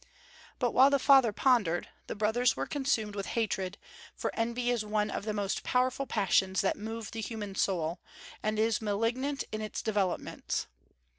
But while the father pondered, the brothers were consumed with hatred, for envy is one of the most powerful passions that move the human soul, and is malignant in its developments.